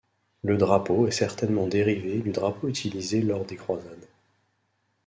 Le drapeau est certainement dérivé du drapeau utilisé lors des croisades.